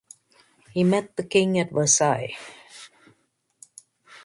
He met the King at Versailles.